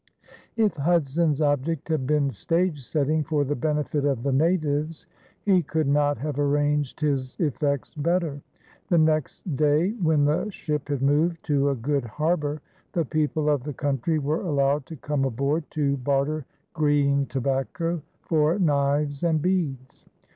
If Hudson's object had been stage setting for the benefit of the natives, he could not have arranged his effects better. The next day, when the ship had moved to a good harbor, the people of the country were allowed to come aboard to barter "greene Tabacco" for knives and beads.